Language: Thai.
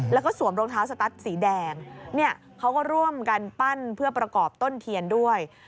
แล้วก็สวมรองเท้าสตัสสีแดงเนี่ยเขาก็ร่วมกันปั้นเพื่อประกอบต้นเทียนด้วย